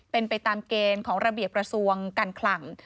เป็นไปตามเกณฑ์ของระเบียบประสวงกันขล่ำ